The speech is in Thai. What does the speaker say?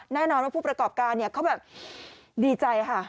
แน่นอนว่าผู้ประกอบการเขาแบบดีใจค่ะ